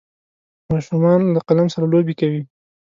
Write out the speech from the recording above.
ماشومان له قلم سره لوبې کوي.